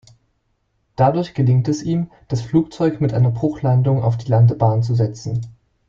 Dadurch gelingt es ihm, das Flugzeug mit einer Bruchlandung auf die Landebahn zu setzen.